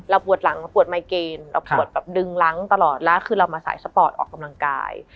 ปวดหลังเราปวดไมเกณฑ์เราปวดแบบดึงล้างตลอดแล้วคือเรามาสายสปอร์ตออกกำลังกาย